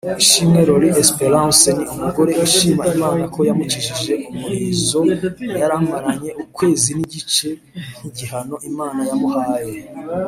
Ishimwe Lorie Esperance ni umugore ushima Imana ko yamukijije umurizo yaramaranye ukwezi n’igice nk’igihano Imana yamuhaye